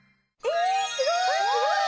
えすごい！